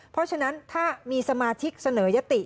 เพราะฉะนั้นถ้ามีสมาชิกเสนอยติ